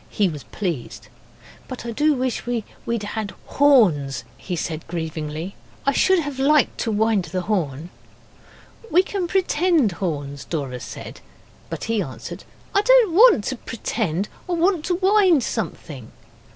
He was pleased. 'But I do wish we'd had horns,' he said grievingly. 'I should have liked to wind the horn.' 'We can pretend horns,' Dora said; but he answered, 'I didn't want to pretend. I wanted to wind something.